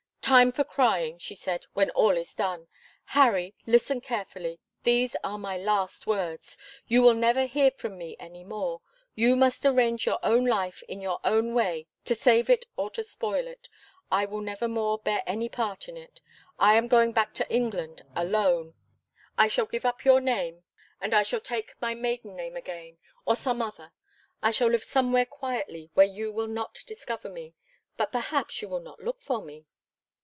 "Time for crying," she said, "when all is done. Harry, listen carefully; these are my last words. You will never hear from me any more. You must manage your own life in your own way, to save it or to spoil it; I will never more bear any part in it. I am going back to England alone. I shall give up your name, and I shall take my maiden name again or some other. I shall live somewhere quietly where you will not discover me. But perhaps you will not look for me?"